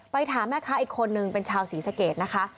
ถามแม่ค้าอีกคนนึงเป็นชาวศรีสะเกดนะคะ